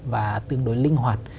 và tương đối linh hoạt